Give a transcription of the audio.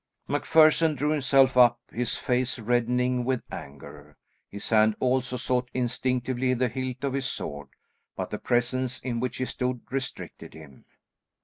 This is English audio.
MacPherson drew himself up, his face reddening with anger. His hand also sought instinctively the hilt of his sword, but the presence in which he stood restricted him.